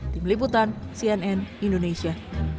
tim liputan cnn indonesia